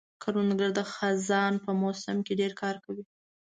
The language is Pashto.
کروندګر د خزان په موسم کې ډېر کار کوي